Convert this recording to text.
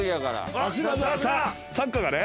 サッカーがね。